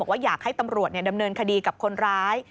ว่าอยากให้ตำรวจดำเนินคดีกับคนร้าย